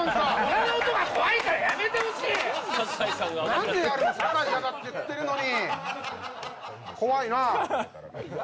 なんでやるの酒井、嫌だって言ってるのに。